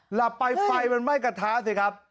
หลับไปไฟมันไหม้กระทะสิครับ